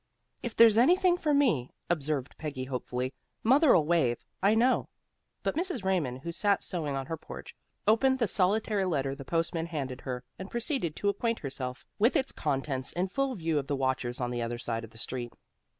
"If there's anything for me," observed Peggy hopefully, "mother'll wave, I know." But Mrs. Raymond, who sat sewing on her own porch, opened the solitary letter the postman handed her, and proceeded to acquaint herself with its contents in full view of the watchers on the other side of the street.